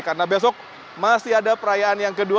karena besok masih ada perayaan yang kedua